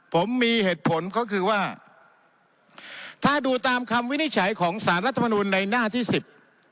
ผมมีเหตุผลก็คือว่าถ้าดูตามคำวินิจฉัยของสารรัฐมนุนในหน้าที่สิบ